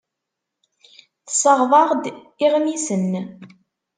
Tessaɣeḍ-aɣ-d iɣmisen.